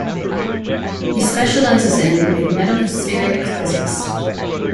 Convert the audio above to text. He specializes in magnetospheric physics.